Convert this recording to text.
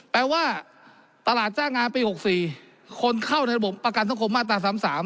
แปลว่าตลาดจ้างงานปี๖๔คนเข้าในระบบประกันสังคมมาตรา๓๓